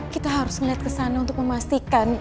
kita harus ngeliat kesana untuk memastikan